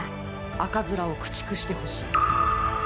赤面を駆逐してほしい！